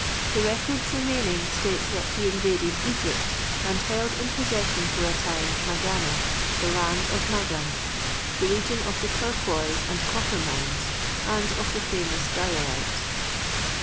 The records remaining state that he invaded Egypt and held in possession for a time Maganna, the land of Magan, the region of the turquoise and copper mines and of the famous diorite.